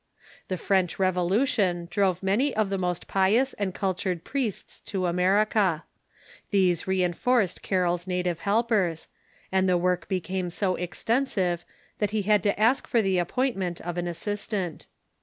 The French Revolution drove many of the most pious and cultured priests to America. These reinforced Carroll's native helpers, and the work became so extensive that he had to ask for the appointment of an assistant.